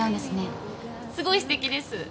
すごいすてきです。